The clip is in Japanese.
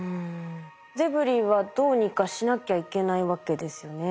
デブリはどうにかしなきゃいけないわけですよね。